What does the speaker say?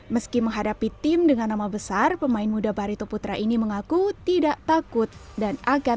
meski menghadapi tim dengan nama besar pemain muda barito putra ini mengaku tidak takut dan akan